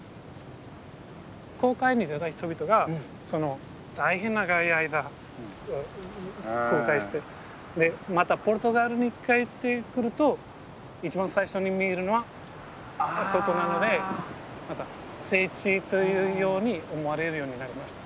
航海に出た人々が大変長い間航海してでまたポルトガルに帰ってくると一番最初に見えるのはあそこなので聖地というように思われるようになりました。